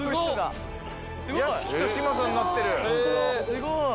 すごい。